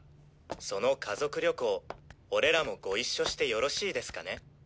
その家族旅行俺らもご一緒してよろしいですかね？